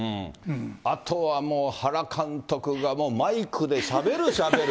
あとはもう、原監督がマイクでしゃべるしゃべる。